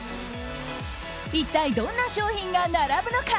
一体どんな商品が並ぶのか？